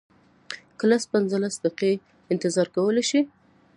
که لس پنځلس دقیقې انتظار کولی شې.